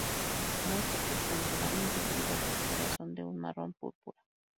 No está presente el anillo y las esporas son de un marrón-púrpura.